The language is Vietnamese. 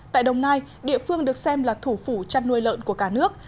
tại đồng nai địa phương được xem là thủ phủ chăn nuôi lợn của cả nước